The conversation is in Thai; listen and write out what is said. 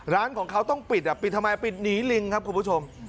ร้านของเขาต้องปิดปิดทำไมปิดหนีลิงครับคุณผู้ชม